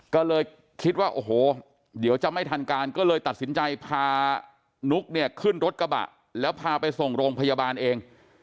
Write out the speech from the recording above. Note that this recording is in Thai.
ก็เลยคิดว่าโอ้โหเดี๋ยวจะไม่ทันการก็เลยตัดสินใจพานุ๊กเนี่ยขึ้นรถกระบะแล้วพาไปส่งโรงพยาบาลเอง